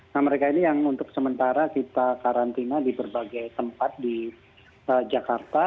nah mereka ini yang untuk sementara kita karantina di berbagai tempat di jakarta